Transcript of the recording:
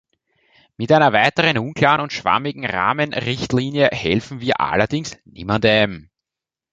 Mit einer weiteren unklaren und schwammigen Rahmenrichtlinie helfen wir allerdings niemandem.